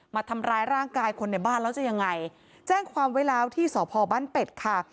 มาทำร้ายร่างกายคนในบ้านแล้วจะยังไงแจ้งความไว้แล้วที่สพบ้านเป็ดค่ะ